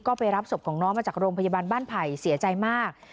ก็ไปรับศพของน้องมาจากโรงพยาบาลบ้านไผ่เสียใจมาก